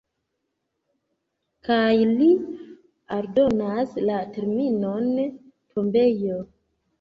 Kaj li aldonas la terminon "tombejo".